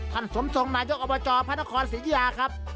ท่านสมทรงนายอบจพระนครเสียยุธยาครับ